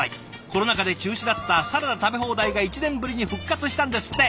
コロナ禍で中止だったサラダ食べ放題が１年ぶりに復活したんですって。